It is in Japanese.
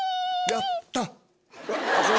やった！